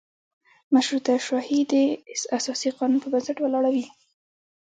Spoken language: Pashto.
مشروطه شاهي د اساسي قانون په بنسټ ولاړه وي.